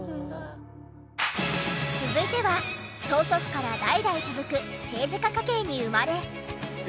続いては曽祖父から代々続く政治家家系に生まれ。